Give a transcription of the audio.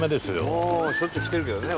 もうしょっちゅう来てるけどね